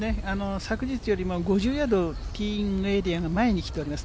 昨日よりも５０ヤード、ティーイングエリアが前に来ております。